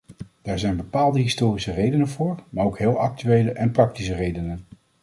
Daar zijn bepaalde historische redenen voor, maar ook heel actuele en praktische redenen.